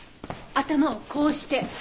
頭をこうして。